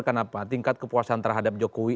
kenapa tingkat kepuasan terhadap jokowi